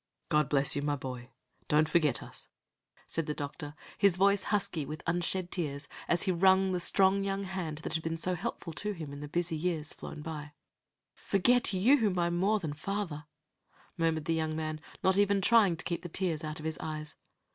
"God bless you, my boy! Don't forget us," said the doctor, his voice husky with unshed tears as he wrung the strong young hand that had been so helpful to him in the busy years flown by. "Forget you, my more than father!" murmured the young man, not even trying to keep the tears out of his eyes.